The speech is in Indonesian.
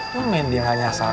lu main dia gak nyasar